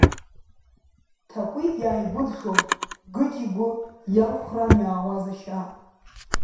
Ҭакәи иааигәыдшылт Гыџь игәы иалхәраан иаауаз ашьа.